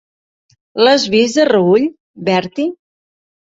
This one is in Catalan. L'has vist de reüll, Bertie?